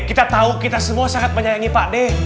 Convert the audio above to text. kita tau kita semua sangat menyayangi pak dek